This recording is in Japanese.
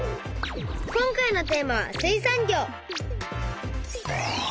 今回のテーマは水産業。